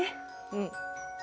うん。